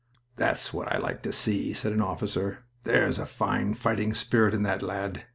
"That's what I like to see," said an officer. "There's a fine fighting spirit in that lad.